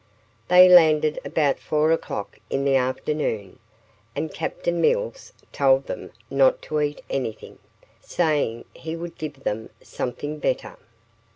They landed about four o'clock in the afternoon, and Captain Mills told them not to eat anything, saying he would give them something better.